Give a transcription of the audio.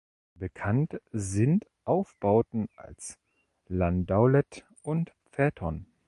Bekannt sind Aufbauten als Landaulet und Phaeton.